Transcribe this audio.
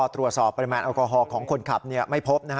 ตรวจสอบปริมาณแอลกอฮอล์ของคนขับไม่พบ